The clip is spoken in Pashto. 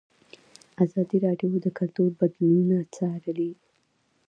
ازادي راډیو د کلتور بدلونونه څارلي.